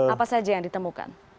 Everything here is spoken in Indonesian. apa saja yang ditemukan